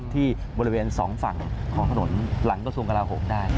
ที่บริเวณสองฝั่งของถนนหลังกระทรวงกราโหมได้